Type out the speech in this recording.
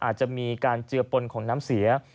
อาจจะมีการเจือปนของน้ำเสีย